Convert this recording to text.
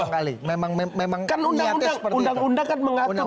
kan undang undang kan mengatur